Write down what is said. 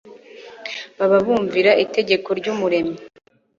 baba bumvira itegeko ryUmuremyi